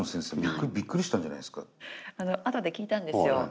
あとで聞いたんですよ。